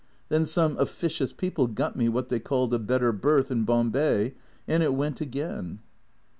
Then some officious people got me what they called a better berth in Bom bay; and it went again."